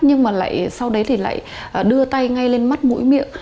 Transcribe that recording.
nhưng mà lại sau đấy thì lại đưa tay ngay lên mắt mũi miệng